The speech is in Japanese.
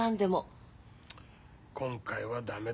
今回は駄目だ。